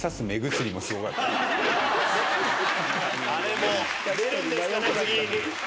あれも出るんですかね